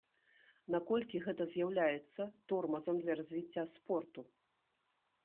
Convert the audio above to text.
Наколькі гэта з'яўляецца тормазам для развіцця спорту?